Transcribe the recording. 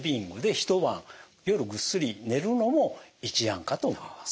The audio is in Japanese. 一晩夜ぐっすり寝るのも一案かと思います。